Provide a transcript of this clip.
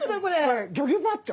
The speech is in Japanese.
これギョギョパッチョ？